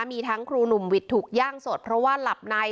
มีทั้งครูหนุ่มวิทย์ถูกย่างสดเพราะว่าหลับใน